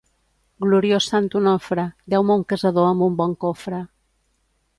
Gloriós sant Onofre, deu-me un casador amb un bon cofre.